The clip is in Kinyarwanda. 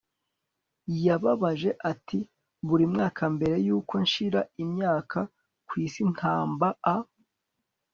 yababaje ati buri mwaka, mbere yuko nshira imyaka ku isi, ntamba a